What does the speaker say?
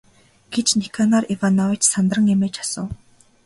гэж Никанор Иванович сандран эмээж асуув.